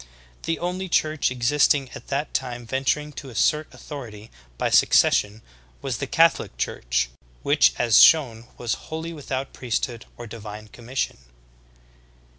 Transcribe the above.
The only church existing at that time venturing to assert authority by succession was the ABSENCE OF PRIESTHOOD. 159 Catholic Church, which as shown was wholly without priest hood or divine commission.